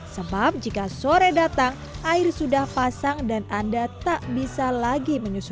sebab jika sore datang air sudah pasang dan anda tak bisa lagi menyusun